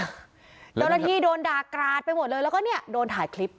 เจ้าหน้าที่โดนด่ากราดไปหมดเลยแล้วก็เนี่ยโดนถ่ายคลิป